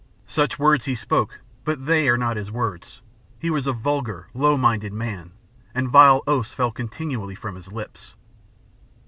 Such words he spoke, but they are not his words. He was a vulgar, low minded man, and vile oaths fell continually from his lips.